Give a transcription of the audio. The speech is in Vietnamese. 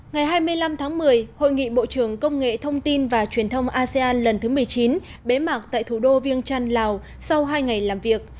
ngày hai mươi năm tháng một mươi hội nghị bộ trưởng công nghệ thông tin và truyền thông asean lần thứ một mươi chín bế mạc tại thủ đô viêng trăn lào sau hai ngày làm việc